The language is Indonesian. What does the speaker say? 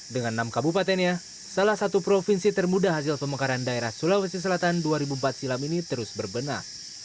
dengan enam kabupatennya salah satu provinsi termuda hasil pemekaran daerah sulawesi selatan dua ribu empat silam ini terus berbenah